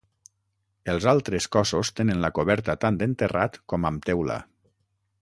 Els altres cossos tenen la coberta tant en terrat com amb teula.